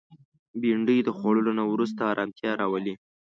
بېنډۍ د خوړلو نه وروسته ارامتیا راولي